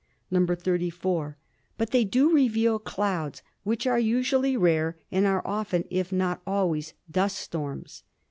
"(34) But they do reveal clouds which are usually rare and are often, if not always, dust storms.